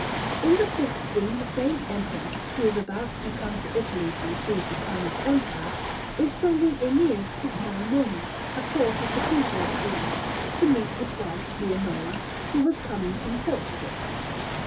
In the fifth scene the same Emperor, who is about to come to Italy to receive the crown of Empire, is sending Æneas to Telamone, a port of the people of Siena, to meet his wife, Leonora, who was coming from Portugal.